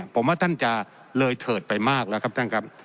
ผมว่าท่านจะเลยเถิดไปมากแล้วครับท่านครับ